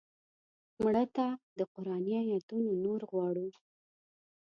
مړه ته د قرآني آیتونو نور غواړو